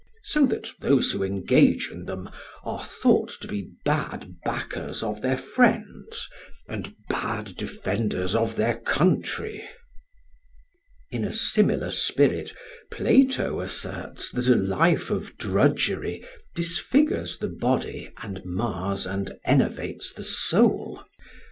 So that those who engage in them are thought to be bad backers of their friends and bad defenders of their country." [Footnote: Xen. Oec. iv. 3.] In a similar spirit Plato asserts that a life of drudgery disfigures the body and mars and enervates the soul; [Footnote: Plato, Rep. 495.